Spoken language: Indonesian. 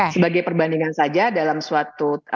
sebagai perbandingan saja dalam suatu